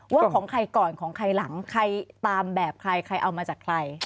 ว่าของใครก่อนของใครหลังใครตามแบบใครใครเอามาจากใคร